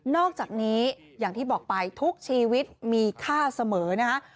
อกจากนี้อย่างที่บอกไปทุกชีวิตมีค่าเสมอนะคะ